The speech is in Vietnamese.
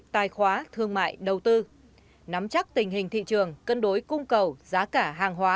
tài khoá thương mại đầu tư nắm chắc tình hình thị trường cân đối cung cầu giá cả hàng hóa